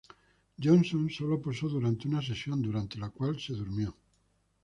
Johnson sólo posó durante una sesión, durante la cual se durmió.